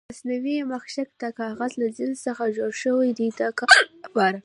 مصنوعي مخکش د کاغذ له جنس څخه جوړ شوي دي د کار لپاره.